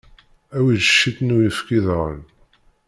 Awi-d ciṭ n uyefki daɣen.